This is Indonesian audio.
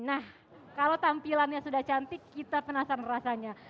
nah kalau tampilannya sudah cantik kita penasaran rasanya